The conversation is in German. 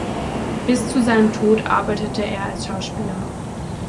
Bis zu seinem Tod arbeitete er als Schauspieler.